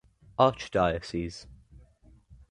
Archdiocese.